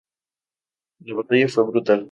La batalla fue brutal.